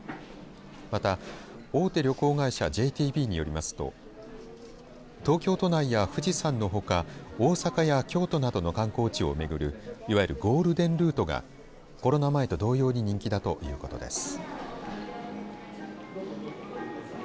また、大手旅行会社ＪＴＢによりますと東京都内や富士山のほか大阪や京都などの観光地を巡るいわゆるゴールデンルートがコロナ前と同様に人気だということです。